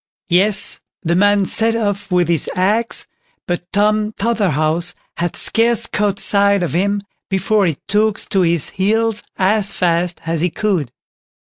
Yes, the man set off with his axe, but Tom Totherhouse had scarce caught sight of him before he took to his heels as fast as he could.